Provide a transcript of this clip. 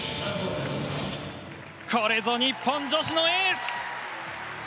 これぞ、日本女子のエース。